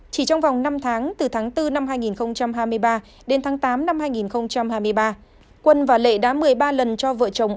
chỉ trong vòng năm tháng từ tháng bốn năm hai nghìn hai mươi ba đến tháng tám năm hai nghìn hai mươi ba quân và lệ đã một mươi ba lần cho vợ chồng